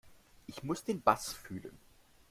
Ich muss den Bass fühlen.